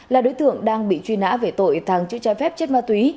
là đối tượng đang bị truy nã về tội thằng chữ trái phép chết ma túy